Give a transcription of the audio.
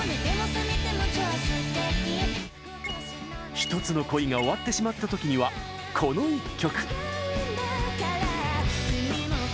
一つの恋が終わってしまったときにはこの一曲！